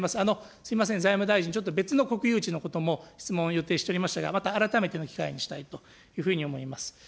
すみません、財務大臣、ちょっと別の国有地のことも質問を予定しておりましたが、また改めての機会にしたいというふうに思います。